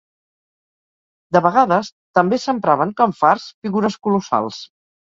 De vegades, també s'empraven com fars figures colossals.